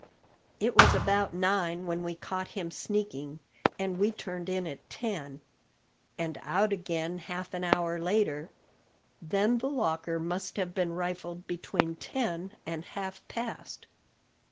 "It was about nine when we caught him sneaking, and we turned in at ten." "And out again half an hour later. Then the locker must have been rifled between ten and halfpast.